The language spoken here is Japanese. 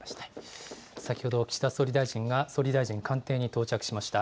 先ほど岸田総理大臣が総理大臣官邸に到着しました。